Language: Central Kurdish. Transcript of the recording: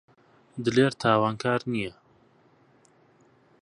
دلێر تاوانکار نییە.